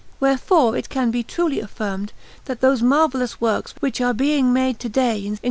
Wherefore it can be truly affirmed that those marvellous works which are being made to day in S.